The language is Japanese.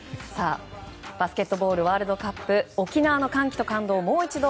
「バスケットボールＷ杯沖縄の歓喜と感動をもう一度」。